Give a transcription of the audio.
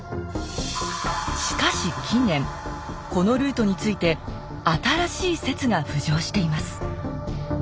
しかし近年このルートについて新しい説が浮上しています